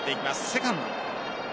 セカンド。